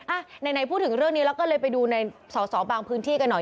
อ่ะไหนพูดถึงเรื่องนี้แล้วก็เลยไปดูในสอสอบางพื้นที่กันหน่อย